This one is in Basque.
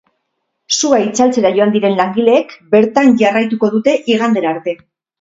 Sua itzaltzera joan diren langileek bertan jarraituko dute igandera arte.